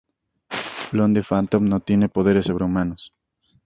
Blonde Phantom no tiene poderes sobrehumanos.